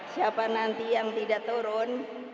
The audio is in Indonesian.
siapa nanti yang tidak turun